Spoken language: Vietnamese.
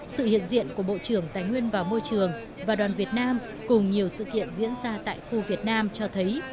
sự hiện diện của bộ trưởng tài nguyên và môi trường và đoàn việt nam cùng nhiều sự kiện diễn ra tại khu việt nam cho thấy